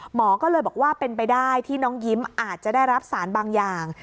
หมอก็เลยบอกว่าเป็นไปได้ที่น้องยิ้มอาจจะได้รับสารบางอย่าง